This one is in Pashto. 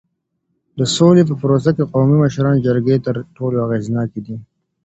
د سولې په پروسه کي د قومي مشرانو جرګې تر ټولو اغیزناکي دي.